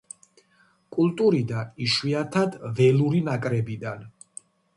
კულტურიდან, იშვიათად ველური ნაკრებიდან.